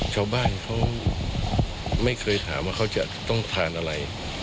ชาวบ้านเขาไม่เคยถามว่าเขาจะต้องทานอะไร